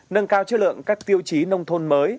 nâng cao chất lượng các tiêu chí nông thôn mới